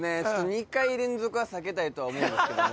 ２回連続は避けたいとは思うんですけども。